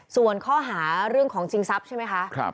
ส่วนข้อหาเรื่องของชิงทรัพย์ใช่ไหมคะ